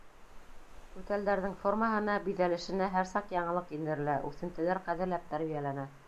— Түтәлдәрҙең формаһына, биҙәлешенә һәр саҡ яңылыҡ индерелә, үҫентеләр ҡәҙерләп тәрбиәләнә.